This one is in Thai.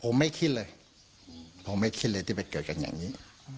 ผมไม่คิดเลยผมไม่คิดเลยที่ไปเกิดกันอย่างนี้